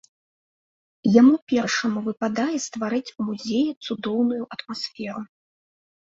Яму першаму выпадае стварыць у музеі цудоўную атмасферу.